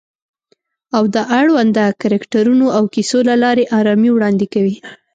او د اړونده کرکټرونو او کیسو له لارې آرامي وړاندې کوي